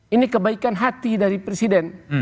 ini kebaikan hati dari presiden